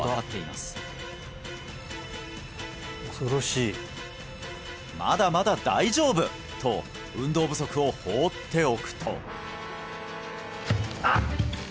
まだまだ大丈夫！と運動不足を放っておくとあっ！